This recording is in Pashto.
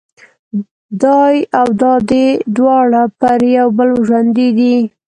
دای او دادۍ دواړه پر یو بل ژوندي دي.